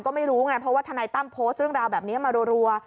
ก็ไม่รู้ไงเพราะว่าทนายตั้มโพสต์เรื่องราวแบบนี้มารัว